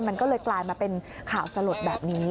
มันก็เลยกลายมาเป็นข่าวสลดแบบนี้